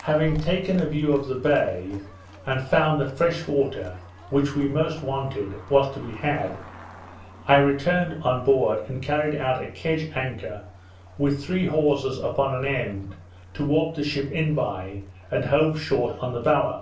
Having taken a view of the bay, and found that fresh water, which we most wanted, was to be had, I returned on board, and carried out a kedge anchor with three hawsers upon an end, to warp the ship in by, and hove short on the bower.